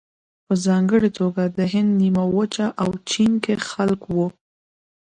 په ځانګړې توګه د هند نیمه وچه او چین کې خلک وو.